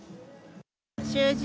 習字。